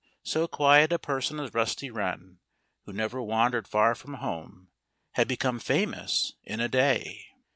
So quiet a person as Rusty Wren, who never wandered far from home, had become famous in a day.